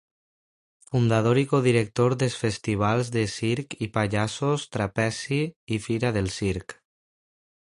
Fundador i codirector dels festivals de circ i pallassos Trapezi i Fira del Circ.